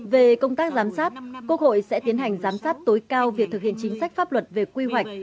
về công tác giám sát quốc hội sẽ tiến hành giám sát tối cao việc thực hiện chính sách pháp luật về quy hoạch